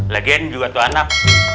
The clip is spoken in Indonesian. lagi lagi juga tuh anak